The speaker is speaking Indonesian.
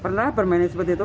pernah bermainnya seperti itu